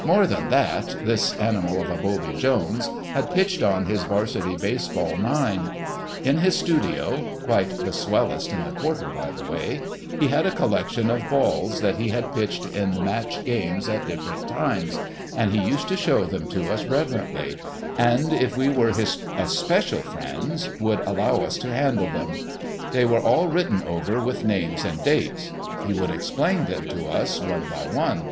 More than that, "This Animal of a Buldy Jones" had pitched on his Varsity baseball nine. In his studio—quite the swellest in the Quarter, by the way—he had a collection of balls that he had pitched in match games at different times, and he used to show them to us reverently, and if we were his especial friends, would allow us to handle them. They were all written over with names and dates. He would explain them to us one by one.